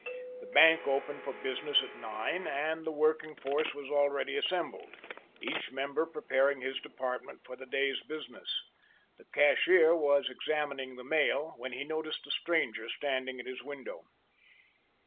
The bank opened for business at nine, and the working force was already assembled, each member preparing his department for the day's business. The cashier was examining the mail when he noticed the stranger standing at his window.